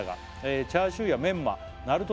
「チャーシューやメンマなるとといった」